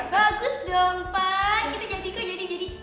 bagus dong pak kita jadi kok jadi jadi